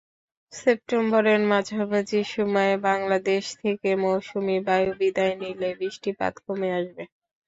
সেপ্টেম্বরের মাঝামাঝি সময়ে বাংলাদেশ থেকে মৌসুমি বায়ু বিদায় নিলে বৃষ্টিপাত কমে আসবে।